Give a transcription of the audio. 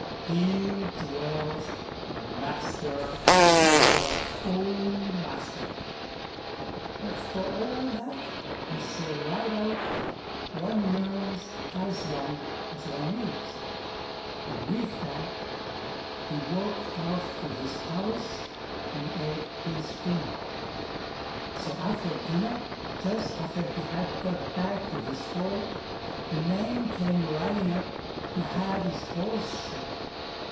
Here dwells the Master over all Masters ; but for all that, I say right out, one learns as long as one lives"; and with that he walked off to his house and ate his dinner. So after dinner, just after he had got back to his forge, a man came riding up to have his horse shod.